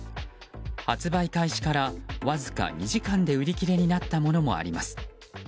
発売開始から、わずか２時間で売り切れになったものもあります。